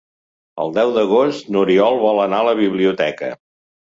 El deu d'agost n'Oriol vol anar a la biblioteca.